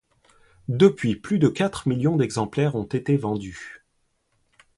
Depuis, plus de quatre millions d'exemplaires ont été vendus.